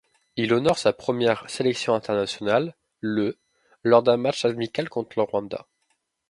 Il honore sa première sélection internationale le lors d'un match amical contre le Rwanda.